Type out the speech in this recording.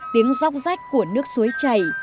tiếng róc rách của nước suối chảy